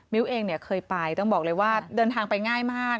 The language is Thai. เองเนี่ยเคยไปต้องบอกเลยว่าเดินทางไปง่ายมาก